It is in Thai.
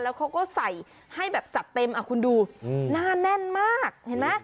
แล้วเขาก็ใส่ให้แบบจัดเต็มคุณดูหน้าแน่นมากเห็นไหม